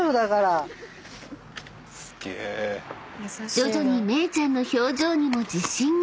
［徐々にめいちゃんの表情にも自信が］